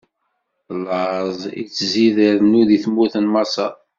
Laẓ ittzid irennu di tmurt n Maṣer.